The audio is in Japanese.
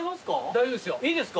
大丈夫ですよ。